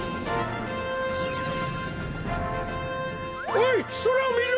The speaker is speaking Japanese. おいそらをみろ！